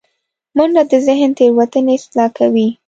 منډه د ذهن تیروتنې اصلاح کوي